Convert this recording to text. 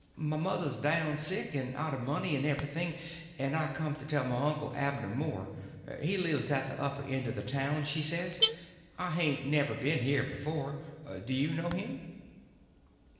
My mother's down sick, and out of money and everything, and I come to tell my uncle Abner Moore. He lives at the upper end of the town, she says. I hain't ever been here before. Do you know him?"